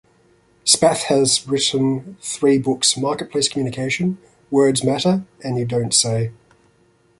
Spaeth has written three books, "Marketplace Communication", "Words Matter", and "You Don't Say!